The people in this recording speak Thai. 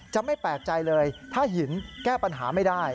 ไม่แปลกใจเลยถ้าหินแก้ปัญหาไม่ได้